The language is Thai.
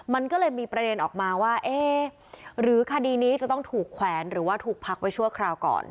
มันก็เลยมีประเด็นออกมาว่าเอ๊ะหรือคดีนี้จะต้องถูกแขวนหรือว่าถูกพักไว้ชั่วคราวก่อน